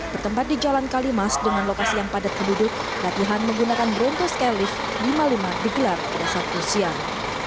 bertempat di jalan kalimas dengan lokasi yang padat penduduk latihan menggunakan bronto skylift lima puluh lima digelar pada sabtu siang